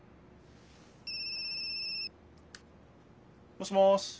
もしもし？